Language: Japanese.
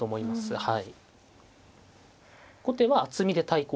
はい。